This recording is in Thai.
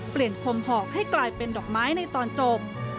เปลี่ยนผมหอกให้กลายเป็นดอกไม้ในตอนจบ